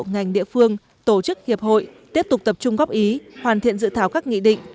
ngành địa phương tổ chức hiệp hội tiếp tục tập trung góp ý hoàn thiện dự thảo các nghị định